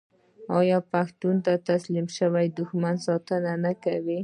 آیا پښتون د تسلیم شوي دښمن ساتنه نه کوي؟